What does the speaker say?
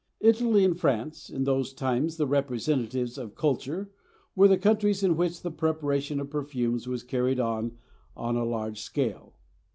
Italy and France, in those times the representatives of culture, were the countries in which the preparation of perfumes was carried on on a large scale.